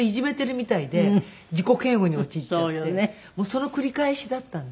その繰り返しだったんで。